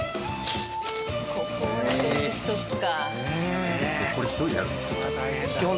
ここは一つ一つか。